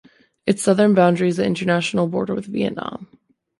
Its southern boundary is the international border with Vietnam.